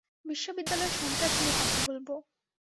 বিশ্ববিদ্যালয়ের সন্ত্রাস নিয়ে কথা বলব।